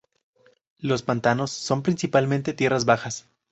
Los pantanos son principalmente tierras bajas.